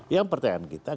yang pertanyaan kita